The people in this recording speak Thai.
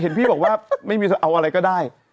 เห็นพี่บอกว่าไม่มีเอาอะไรก็ได้